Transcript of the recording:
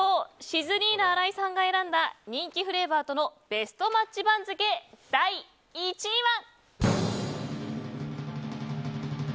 シズリーナ荒井さんが選んだ人気フレーバーとのベストマッチ番付第１位は。